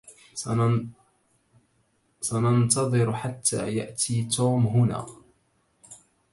سننتظر حتى يأتي توم هنا.